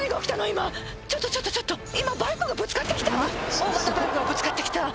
今ちょっとちょっとちょっと今バイクがぶつかってきた？